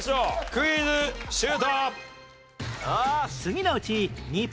クイズシュート！